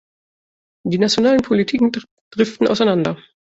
Die nationalen Politiken driften auseinander.